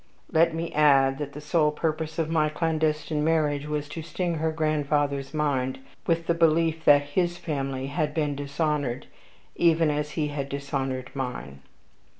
Let me add, that the sole purpose of my clandestine marriage was to sting her grandfather's mind with the belief that HIS family had been dishonored, even as he had dishonored mine.